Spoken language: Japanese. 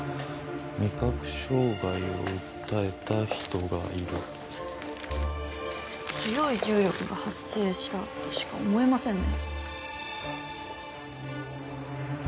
味覚障害を訴えた人がいる強い重力が発生したとしか思えませんね